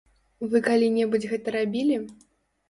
Вы калі-небудзь гэта рабілі?